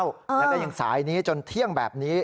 แล้วก็ยังสายนี้จนเที่ยงแบบนี้